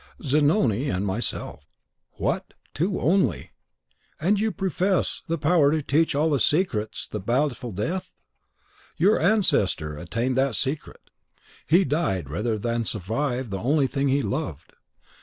"Zanoni and myself." "What, two only! and you profess the power to teach to all the secret that baffles Death?" "Your ancestor attained that secret; he died rather than survive the only thing he loved.